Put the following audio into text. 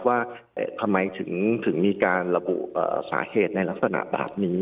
ว่าทำไมถึงมีการระบุสาเหตุในลักษณะแบบนี้